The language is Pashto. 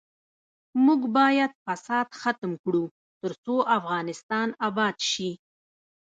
موږ باید فساد ختم کړو ، ترڅو افغانستان اباد شي.